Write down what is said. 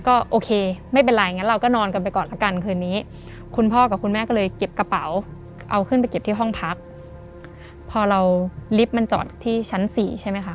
ก็โอเคไม่เป็นไรงั้นเราก็นอนกันไปก่อนละกันคืนนี้คุณพ่อกับคุณแม่ก็เลยเก็บกระเป๋าเอาขึ้นไปเก็บที่ห้องพักพอเราลิฟต์มันจอดที่ชั้นสี่ใช่ไหมคะ